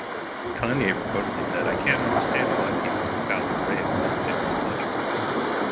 Keane reportedly said, I can't understand why people in Scotland rave about Darren Fletcher.